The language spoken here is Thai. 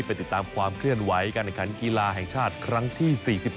ไปติดตามความเคลื่อนไหวการแข่งขันกีฬาแห่งชาติครั้งที่๔๒